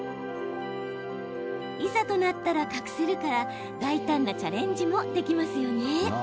いざとなったら隠せるから大胆なチャレンジもできますよね。